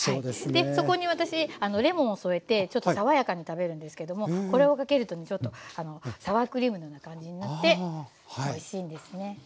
でそこに私レモンを添えてちょっと爽やかに食べるんですけどもこれをかけるとちょっとあのサワークリームのような感じになっておいしいんですね。